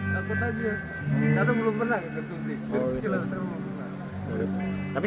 takut aja tadi belum pernah disuntik